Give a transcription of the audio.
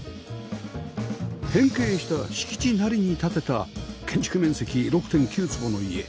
変型した敷地なりに建てた建築面積 ６．９ 坪の家